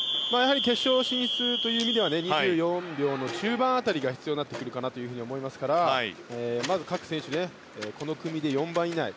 決勝進出という意味では２４秒の中盤辺りが必要になってくるかなと思いますからまず各選手、この組で４番以内。